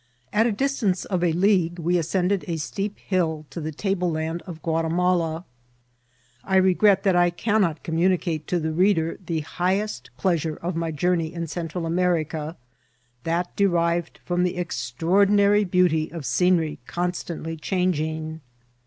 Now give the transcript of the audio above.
At a distance of a league we ascended a steep hill to the table land of Gnatimala. I regret that I cannot communicate to the reader the hi^est pleasure of my journey in Central Am^ ica, that derived from the extraordinary beauty o{ scenery ccm^ stantly changing.